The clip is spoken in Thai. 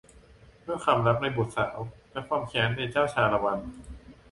ด้วยความรักในบุตรสาวและความแค้นในเจ้าชาละวัน